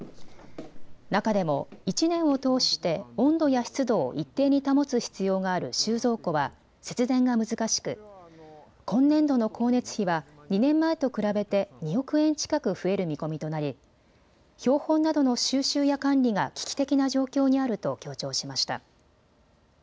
中でも１年を通して温度や湿度を一定に保つ必要がある収蔵庫は節電が難しく今年度の光熱費は２年前と比べて２億円近く増える見込みとなり標本などの収集や管理が危機的な状況にあると強調しました。